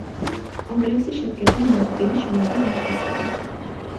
კომპლექსი შედგება მოზრდილი შენობის ნაშთისაგან.